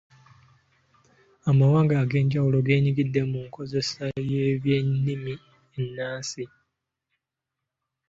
Amawanga ag'enjawulo genyigidde mu nkozesa y'ebyennimi ennansi.